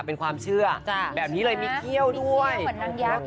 เป็นความเชื่อจ้ะแบบนี้เลยมีเกรี้ยวด้วยเกรี้ยวเหมือนน้ำยาผิด